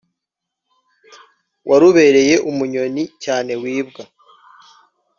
warubereye umunyoni cyane wibwa